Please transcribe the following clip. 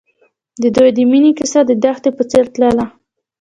د دوی د مینې کیسه د دښته په څېر تلله.